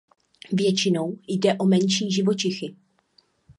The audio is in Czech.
Většinou jde o menší živočichy.